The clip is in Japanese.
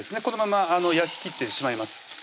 このまま焼ききってしまいます